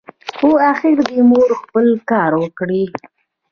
خو اخر دي مور خپل کار وکړ !